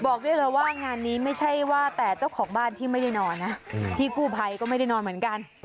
บอกได้เลยว่างานนี้ไม่ใช่ว่าแต่เจ้าของบ้านที่ไม่ได้นอนนะพี่กู้ภัยก็ไม่ได้นอนเหมือนกัน